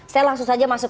saya langsung saja masuk